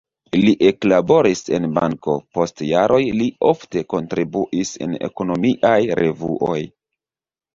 Li eklaboris en banko, post jaroj li ofte kontribuis en ekonomiaj revuoj.